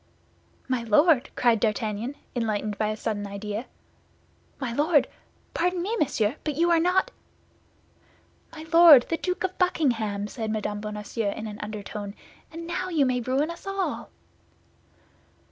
"My Lord!" cried D'Artagnan, enlightened by a sudden idea, "my Lord! Pardon me, monsieur, but you are not—" "My Lord the Duke of Buckingham," said Mme. Bonacieux, in an undertone; "and now you may ruin us all."